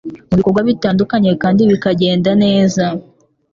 mu bikorwa bitandukanye kandi bikagenda neza.